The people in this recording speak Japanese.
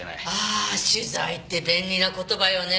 あ取材って便利な言葉よね。